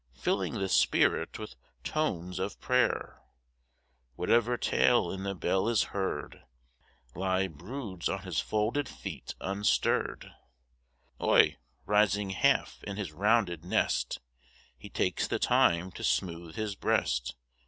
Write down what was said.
Filling the spirit with tones of prayer Whatever tale in the bell is heard, lie broods on his folded feet unstirr'd, Oi, rising half in his rounded nest. He takes the time to smooth his breast.